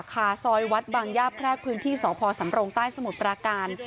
ซอยวัดบางย่าแพรกพื้นที่สพสำรงใต้สมุทรปราการ